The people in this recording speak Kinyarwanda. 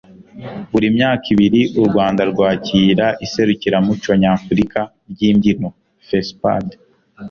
buri myaka ibiri u rwanda rwakira iserukiramuco nyafurika ry'imbyino (fespad